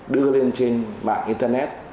đưa lên trên mạng internet